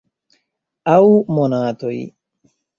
Aŭ monatoj.